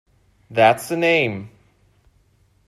That's the name.